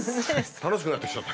楽しくなってきちゃった？